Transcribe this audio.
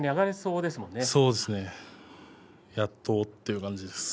そうですねやっとという感じです。